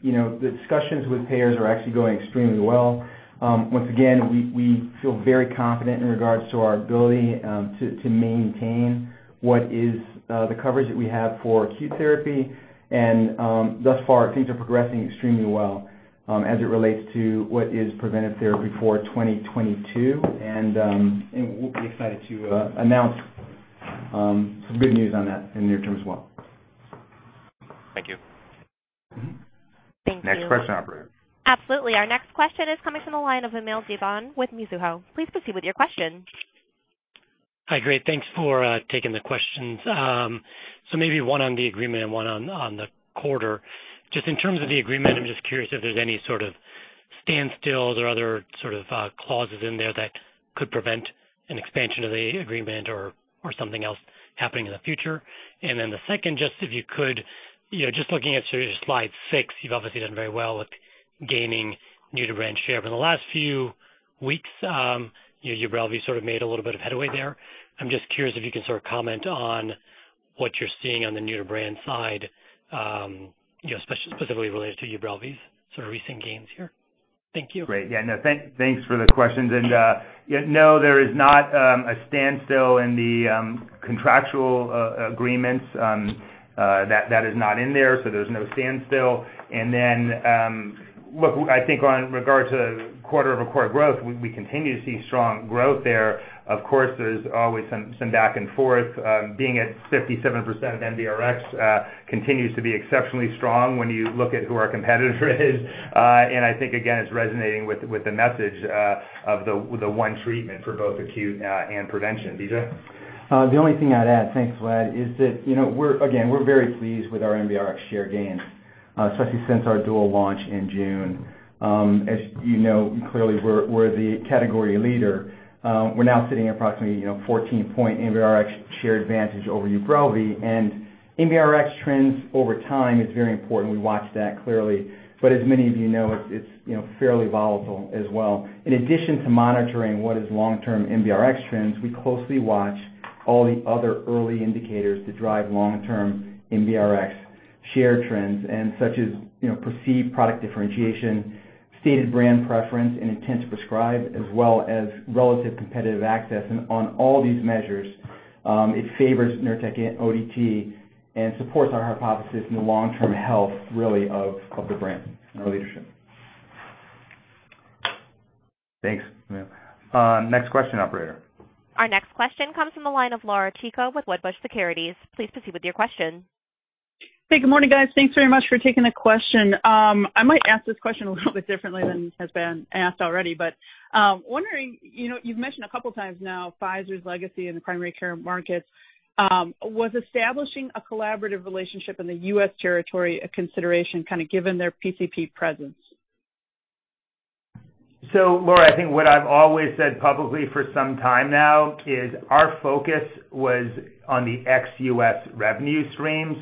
Speaker 6: you know, the discussions with payers are actually going extremely well. Once again, we feel very confident in regards to our ability to maintain what is the coverage that we have for acute therapy. We'll be excited to announce some good news on that in near term as well.
Speaker 11: Thank you.
Speaker 3: Mm-hmm.
Speaker 1: Thank you.
Speaker 3: Next question, operator.
Speaker 1: Absolutely. Our next question is coming from the line of Vamil Divan with Mizuho. Please proceed with your question.
Speaker 12: Hi. Great. Thanks for taking the questions. So maybe one on the agreement and one on the quarter. Just in terms of the agreement, I'm just curious if there's any sort of standstills or other sort of clauses in there that could prevent an expansion of the agreement or something else happening in the future. The second, just if you could, you know, just looking at slide six, you've obviously done very well with gaining new-to-brand share. In the last few weeks, UBRELVY sort of made a little bit of headway there. I'm just curious if you can sort of comment on what you're seeing on the new-to-brand side, you know, specifically related to UBRELVY's sort of recent gains here. Thank you.
Speaker 3: Great. Yeah, no, thanks for the questions. There is not a standstill in the contractual agreements. That is not in there, so there's no standstill. Look, I think in regard to quarter-over-quarter growth, we continue to see strong growth there. Of course, there's always some back and forth. Being at 57% NBRx continues to be exceptionally strong when you look at who our competitor is. I think, again, it's resonating with the message of the one treatment for both acute and prevention. BJ?
Speaker 6: The only thing I'd add, thanks, Vlad, is that, you know, we're again we're very pleased with our NBRx share gains, especially since our dual launch in June. As you know, clearly we're we're the category leader. We're now sitting at approximately, you know, 14-point NBRx share advantage over UBRELVY. NBRx trends over time is very important. We watch that clearly. As many of you know, it's it's, you know, fairly volatile as well. In addition to monitoring what is long term NBRx trends, we closely watch all the other early indicators that drive long term NBRx share trends and such as, you know, perceived product differentiation, stated brand preference and intent to prescribe, as well as relative competitive access. On all these measures, it favors NURTEC ODT and supports our hypothesis in the long-term health really of the brand and our leadership.
Speaker 3: Thanks. Next question, operator.
Speaker 1: Our next question comes from the line of Laura Chico with Wedbush Securities. Please proceed with your question.
Speaker 13: Hey, good morning, guys. Thanks very much for taking the question. I might ask this question a little bit differently than has been asked already, but wondering, you know, you've mentioned a couple times now Pfizer's legacy in the primary care market. Was establishing a collaborative relationship in the U.S. territory a consideration kind of given their PCP presence?
Speaker 3: Laura, I think what I've always said publicly for some time now is our focus was on the ex-U.S. revenue streams.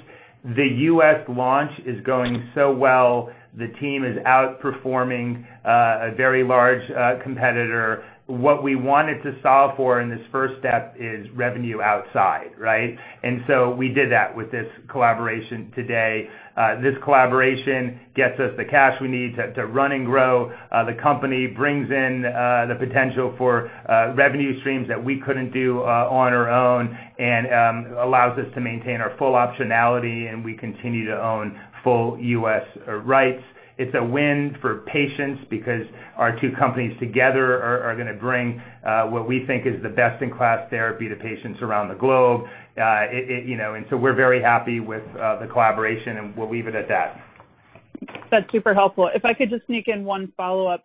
Speaker 3: The U.S. launch is going so well. The team is outperforming a very large competitor. What we wanted to solve for in this first step is revenue outside, right? We did that with this collaboration today. This collaboration gets us the cash we need to run and grow the company brings in the potential for revenue streams that we couldn't do on our own and allows us to maintain our full optionality, and we continue to own full U.S. rights. It's a win for patients because our two companies together are gonna bring what we think is the best in class therapy to patients around the globe. You know, we're very happy with the collaboration, and we'll leave it at that.
Speaker 13: That's super helpful. If I could just sneak in one follow-up.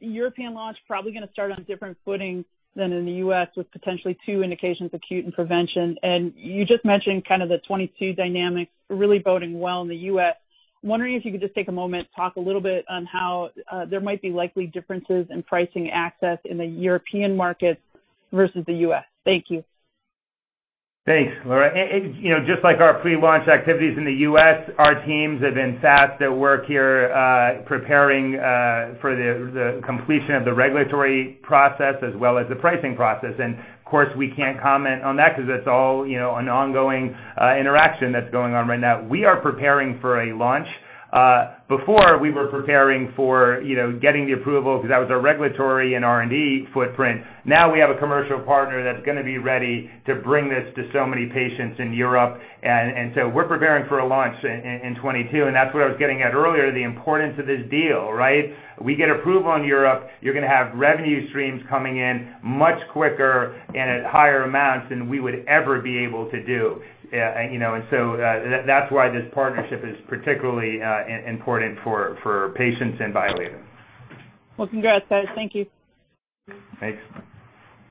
Speaker 13: European launch probably gonna start on different footing than in the U.S. with potentially two indications, acute and prevention. You just mentioned kind of the 2022 dynamics really boding well in the U.S. I'm wondering if you could just take a moment, talk a little bit on how there might be likely differences in pricing access in the European markets versus the U.S. Thank you.
Speaker 3: Thanks, Laura. You know, just like our pre-launch activities in the U.S., our teams have been fast at work here, preparing for the completion of the regulatory process as well as the pricing process. Of course, we can't comment on that 'cause that's all, you know, an ongoing interaction that's going on right now. We are preparing for a launch. Before we were preparing for, you know, getting the approval because that was our regulatory and R&D footprint. Now we have a commercial partner that's gonna be ready to bring this to so many patients in Europe. We're preparing for a launch in 2022, and that's what I was getting at earlier, the importance of this deal, right? We get approval in Europe, you're gonna have revenue streams coming in much quicker and at higher amounts than we would ever be able to do. You know, that's why this partnership is particularly important for patients and Biohaven.
Speaker 13: Well, congrats guys. Thank you.
Speaker 3: Thanks.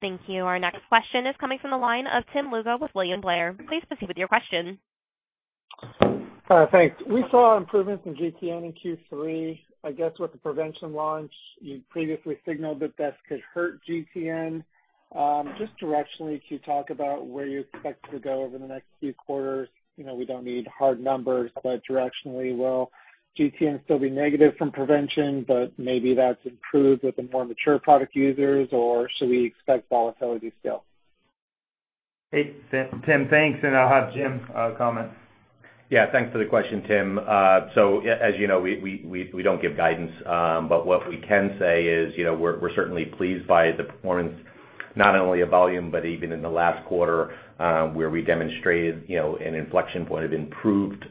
Speaker 1: Thank you. Our next question is coming from the line of Tim Lugo with William Blair. Please proceed with your question.
Speaker 14: Thanks. We saw improvements in GTN in Q3. I guess with the prevention launch, you previously signaled that this could hurt GTN. Just directionally, can you talk about where you expect it to go over the next few quarters? You know, we don't need hard numbers, but directionally, will GTN still be negative from prevention, but maybe that's improved with the more mature product users, or should we expect volatility still?
Speaker 3: Hey, Tim, thanks, and I'll have Jim comment.
Speaker 5: Yeah, thanks for the question, Tim. As you know, we don't give guidance, but what we can say is, you know, we're certainly pleased by the performance, not only of volume, but even in the last quarter, where we demonstrated, you know, an inflection point of improved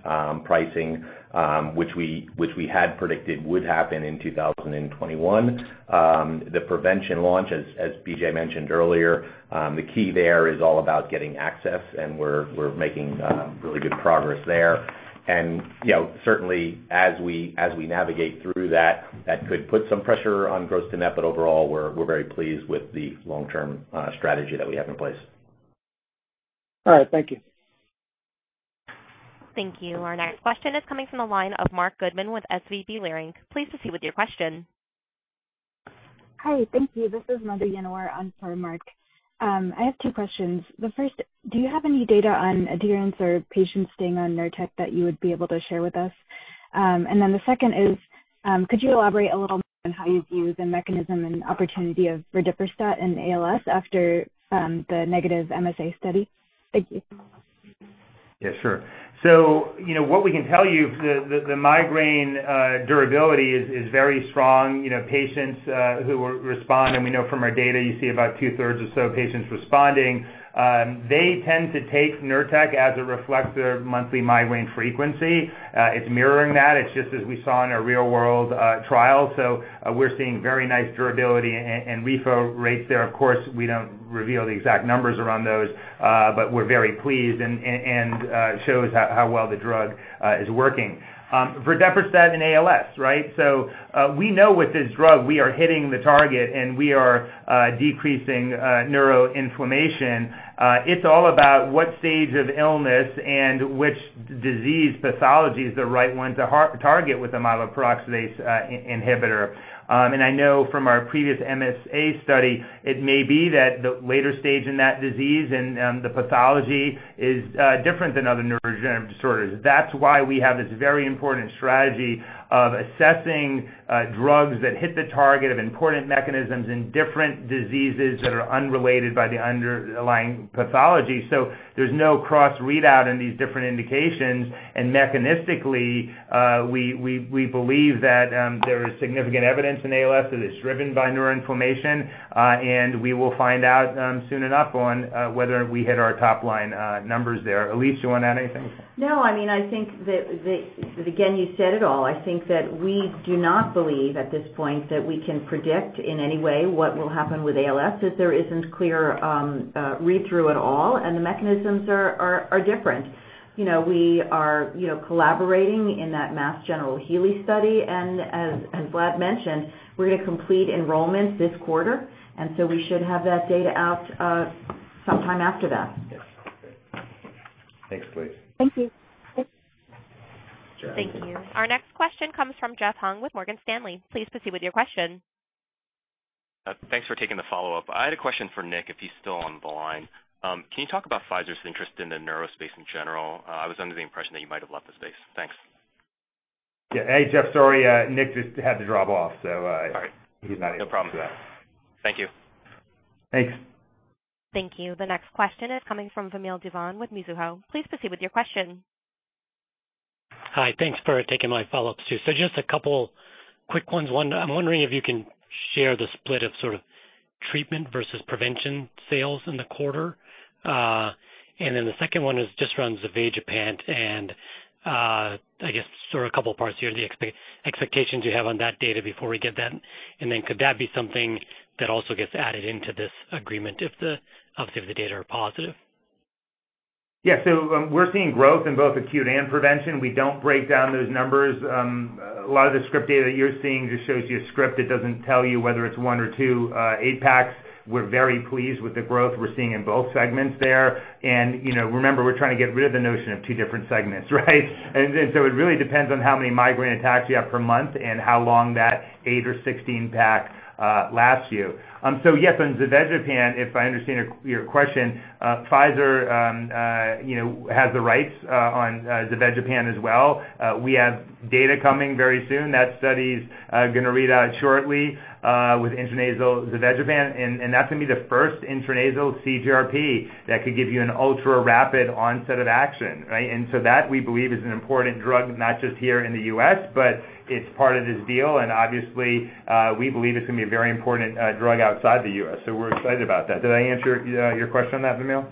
Speaker 5: pricing, which we had predicted would happen in 2021. The prevention launch, as BJ mentioned earlier, the key there is all about getting access, and we're making really good progress there. You know, certainly as we navigate through that could put some pressure on gross-to-net. Overall we're very pleased with the long-term strategy that we have in place.
Speaker 14: All right, thank you.
Speaker 1: Thank you. Our next question is coming from the line of Marc Goodman with SVB Leerink. Please proceed with your question.
Speaker 15: Hi, thank you. This is Mandy Yanor on for Marc. I have two questions. The first, do you have any data on adherence or patients staying on NURTEC that you would be able to share with us? The second is, could you elaborate a little more on how you view the mechanism and opportunity of verdiperstat and ALS after the negative MSA study? Thank you.
Speaker 3: Yeah, sure. You know, what we can tell you, the migraine durability is very strong. You know, patients who respond, and we know from our data, you see about two-thirds or so of patients responding, they tend to take Nurtec as it reflects their monthly migraine frequency. It's mirroring that. It's just as we saw in our real world trial. We're seeing very nice durability and refill rates there. Of course, we don't reveal the exact numbers around those, but we're very pleased and shows how well the drug is working. Verdiperstat and ALS, right? We know with this drug, we are hitting the target, and we are decreasing neuroinflammation. It's all about what stage of illness and which disease pathology is the right one to target with the myeloperoxidase inhibitor. I know from our previous MSA study, it may be that the later stage in that disease and the pathology is different than other neurodegenerative disorders. That's why we have this very important strategy of assessing drugs that hit the target of important mechanisms in different diseases that are unrelated by the underlying pathology. There's no cross-readout in these different indications. Mechanistically, we believe that there is significant evidence in ALS that it's driven by neuroinflammation. We will find out soon enough on whether we hit our top line numbers there. Elyse, do you wanna add anything?
Speaker 7: No. I mean, I think again, you said it all. I think that we do not believe at this point that we can predict in any way what will happen with ALS if there isn't clear read-through at all, and the mechanisms are different. You know, we are collaborating in that HEALEY ALS Platform Trial, and as Vlad mentioned, we're gonna complete enrollment this quarter, and so we should have that data out sometime after that.
Speaker 3: Next, please.
Speaker 15: Thank you.
Speaker 3: Jeff.
Speaker 1: Thank you. Our next question comes from Jeff Hung with Morgan Stanley. Please proceed with your question.
Speaker 11: Thanks for taking the follow-up. I had a question for Nick, if he's still on the line. Can you talk about Pfizer's interest in the neurospace in general? I was under the impression that you might have left the space. Thanks.
Speaker 3: Yeah. Hey, Jeff. Sorry, Nick just had to drop off, so.
Speaker 11: All right.
Speaker 3: He's not able to do that.
Speaker 11: No problem. Thank you.
Speaker 3: Thanks.
Speaker 1: Thank you. The next question is coming from Vamil Divan with Mizuho. Please proceed with your question.
Speaker 12: Hi. Thanks for taking my follow-up too. Just a couple quick ones. One, I'm wondering if you can share the split of sort of treatment versus prevention sales in the quarter. And then the second one is just around zavegepant and, I guess there are a couple parts here, the expectations you have on that data before we get that. Then could that be something that also gets added into this agreement if, obviously, if the data are positive?
Speaker 3: Yeah. We're seeing growth in both acute and prevention. We don't break down those numbers. A lot of the script data that you're seeing just shows you a script. It doesn't tell you whether it's one or two APAPs. We're very pleased with the growth we're seeing in both segments there. You know, remember, we're trying to get rid of the notion of two different segments, right? It really depends on how many migraine attacks you have per month and how long that eight or 16 pack lasts you. Yes, on zavegepant if I understand your question, Pfizer has the rights on zavegepant as well. We have data coming very soon. That study's gonna read out shortly with intranasal zavegepant, and that's gonna be the first intranasal CGRP that could give you an ultra-rapid onset of action, right? That we believe is an important drug, not just here in the U.S., but it's part of this deal. Obviously, we believe it's gonna be a very important drug outside the U.S., so we're excited about that. Did I answer your question on that, Vamil?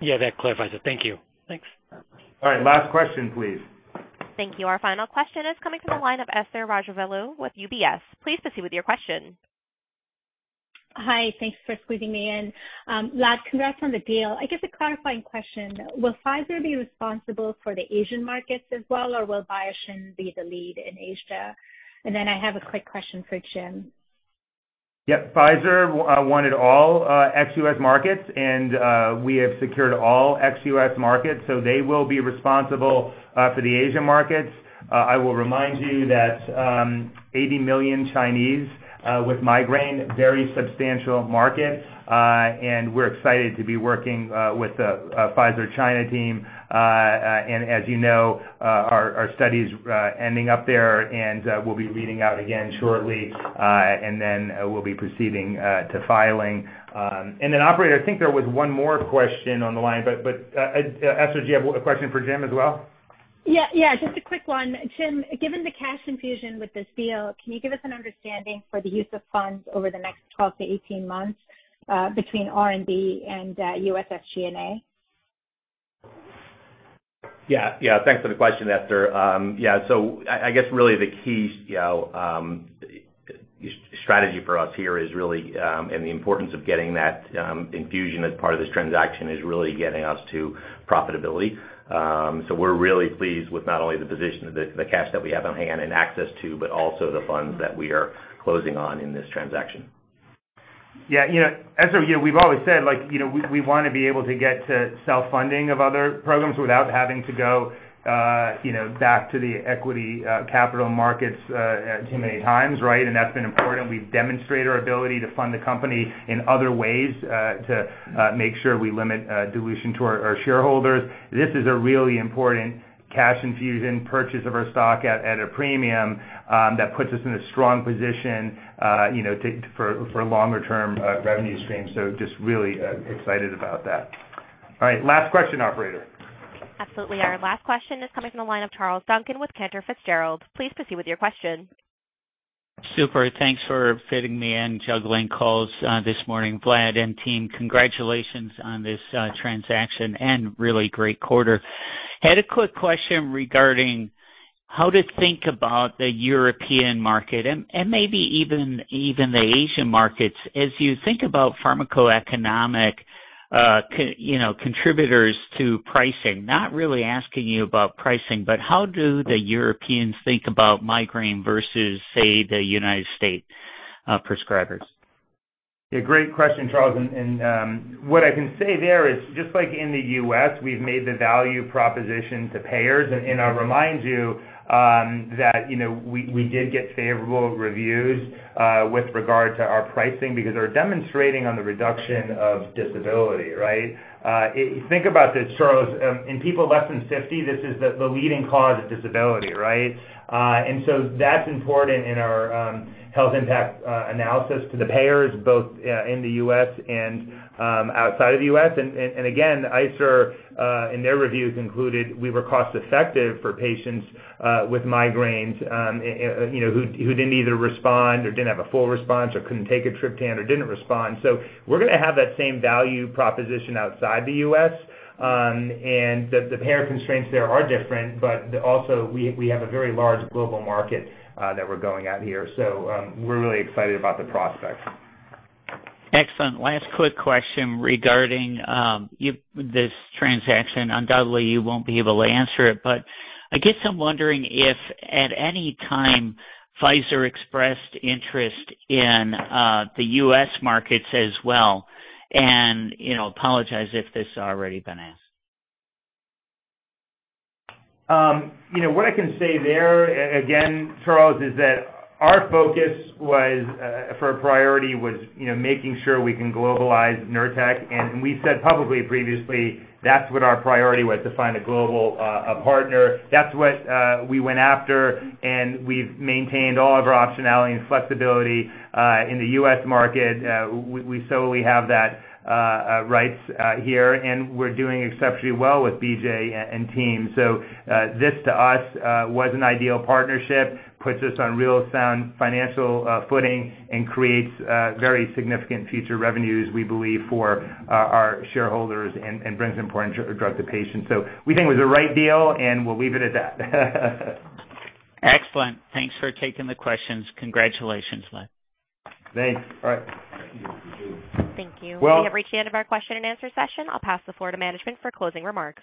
Speaker 12: Yeah, that clarifies it. Thank you. Thanks.
Speaker 3: All right. Last question, please.
Speaker 1: Thank you. Our final question is coming from the line of Esther Rajavelu with UBS. Please proceed with your question.
Speaker 16: Hi. Thanks for squeezing me in. Vlad, congrats on the deal. I guess a clarifying question. Will Pfizer be responsible for the Asian markets as well, or will BioShin be the lead in Asia? I have a quick question for Jim.
Speaker 3: Yeah. Pfizer wanted all ex-US markets and we have secured all ex-US markets, so they will be responsible for the Asian markets. I will remind you that 80 million Chinese with migraine, very substantial market. We're excited to be working with the Pfizer China team. As you know, our study's ending up there and will be reading out again shortly. Then we'll be proceeding to filing. Then operator, I think there was one more question on the line, but Esther, do you have a question for Jim as well?
Speaker 16: Yeah. Yeah, just a quick one. Jim, given the cash infusion with this deal, can you give us an understanding for the use of funds over the next 12-18 months, between R&D and U.S. SG&A?
Speaker 5: Yeah. Thanks for the question, Esther. I guess really the key, you know, strategy for us here is really, and the importance of getting that infusion as part of this transaction is really getting us to profitability. We're really pleased with not only the position of the cash that we have on hand and access to, but also the funds that we are closing on in this transaction.
Speaker 3: Yeah. You know, Esther, you know, we've always said like, you know, we wanna be able to get to self-funding of other programs without having to go, you know, back to the equity capital markets too many times, right? That's been important. We've demonstrated our ability to fund the company in other ways to make sure we limit dilution to our shareholders. This is a really important cash infusion purchase of our stock at a premium that puts us in a strong position, you know, for longer term revenue streams. Just really excited about that. All right, last question, operator.
Speaker 1: Absolutely. Our last question is coming from the line of Charles Duncan with Cantor Fitzgerald. Please proceed with your question.
Speaker 17: Super. Thanks for fitting me in, juggling calls this morning. Vlad and team, congratulations on this transaction and really great quarter. Had a quick question regarding how to think about the European market and maybe even the Asian markets. As you think about pharmacoeconomic contributors to pricing, you know, not really asking you about pricing, but how do the Europeans think about migraine versus, say, the US prescribers?
Speaker 3: Yeah, great question, Charles. What I can say there is just like in the U.S., we've made the value proposition to payers. I'll remind you that, you know, we did get favorable reviews with regard to our pricing because we're demonstrating on the reduction of disability, right? Think about this, Charles. In people less than 50, this is the leading cause of disability, right? That's important in our health impact analysis to the payers both in the U.S. and outside of the U.S. Again, ICER in their reviews included we were cost-effective for patients with migraines, you know, who didn't either respond or didn't have a full response or couldn't take a triptan or didn't respond. We're gonna have that same value proposition outside the U.S. The payer constraints there are different, but also we have a very large global market that we're going after here. We're really excited about the prospects.
Speaker 17: Excellent. Last quick question regarding this transaction. Undoubtedly, you won't be able to answer it, but I guess I'm wondering if at any time Pfizer expressed interest in the U.S. markets as well. You know, apologize if this has already been asked.
Speaker 3: You know, what I can say there, again, Charles, is that our focus was a priority, you know, making sure we can globalize Nurtec. We said publicly previously, that's what our priority was, to find a global partner. That's what we went after, and we've maintained all of our optionality and flexibility in the U.S. market. We solely have that rights here, and we're doing exceptionally well with BJ and team. This to us was an ideal partnership, puts us on real sound financial footing and creates very significant future revenues, we believe, for our shareholders and brings important drug to patients. We think it was the right deal and we'll leave it at that.
Speaker 17: Excellent. Thanks for taking the questions. Congratulations, Vlad.
Speaker 3: Thanks. All right.
Speaker 17: Thank you.
Speaker 3: Well-
Speaker 1: We have reached the end of our question and answer session. I'll pass the floor to management for closing remarks.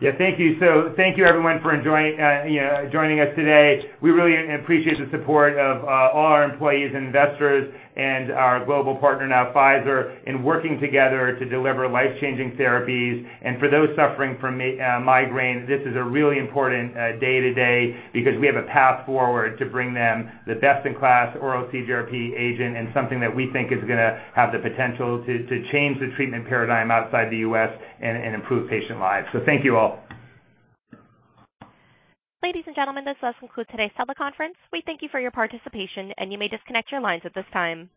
Speaker 3: Yeah. Thank you. Thank you everyone for joining us today. We really appreciate the support of all our employees and investors and our global partner now, Pfizer, in working together to deliver life-changing therapies. For those suffering from migraine, this is a really important day today because we have a path forward to bring them the best-in-class oral CGRP agent and something that we think is gonna have the potential to change the treatment paradigm outside the U.S. and improve patient lives. Thank you all.
Speaker 1: Ladies and gentlemen, this does conclude today's teleconference. We thank you for your participation, and you may disconnect your lines at this time.